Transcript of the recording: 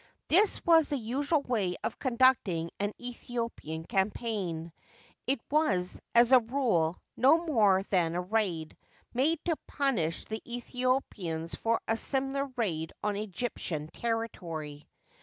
This was the usual way of conducting an Aethiopian campsdgn ; it was, as a rule, no more than a raid, made to punish the Aethiopians for a similar raid on Egyptian territory.